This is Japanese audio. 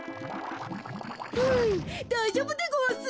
ふうだいじょうぶでごわす。